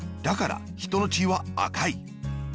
だからひとの血は赤い。